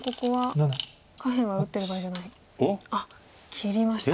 切りました。